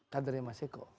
kadernya mas eko